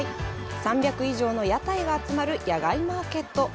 ３００以上の屋台が集まる野外マーケット。